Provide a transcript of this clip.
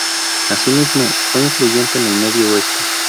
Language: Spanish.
Asimismo, fue influyente en el medio oeste.